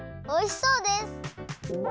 おいしそうです！